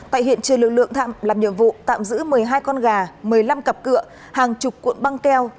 tại hiện trường lực lượng làm nhiệm vụ tạm giữ một mươi hai con gà một mươi năm cặp cửa hàng chục cuộn băng keo